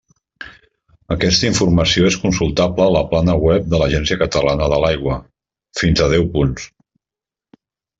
Aquesta informació és consultable a la plana web de l'Agència Catalana de l'Aigua: fins a deu punts.